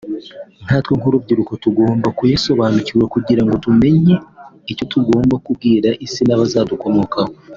nkatwe nk’urubyiruko tugomba kuyasobanukirwa kugirango tuzamenye icyo tugomba kubwira isi n'abazadukomokaho